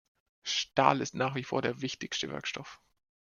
Stahl ist nach wie vor der wichtigste Werkstoff.